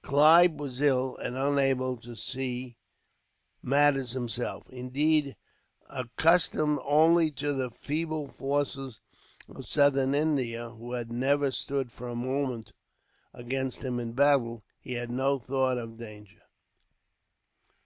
Clive was ill, and unable to see after matters himself. Indeed, accustomed only to the feeble forces of Southern India, who had never stood for a moment against him in battle, he had no thought of danger.